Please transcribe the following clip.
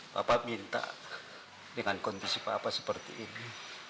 bapak minta dengan kondisi papa seperti ini